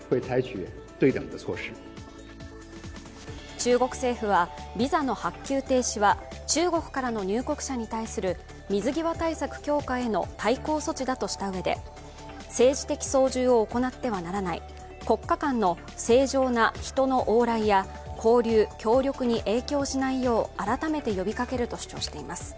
中国政府はビザの発給停止は中国からの入国者に対する水際対策強化への対抗措置だとしたうえで政治的操縦を行ってはならない、国家間の正常な人の往来や交流、協力に影響しないよう改めて呼びかけると主張しています。